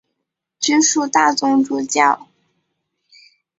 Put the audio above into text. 直属大总主教。